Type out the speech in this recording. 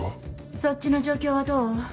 そっちの状況はどう？